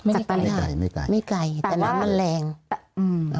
ไม่ได้ไกลไม่ไกลแต่น้ำมันแรง